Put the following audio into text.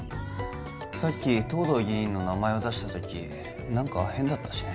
さっき藤堂議員の名前を出したとき何か変だったしね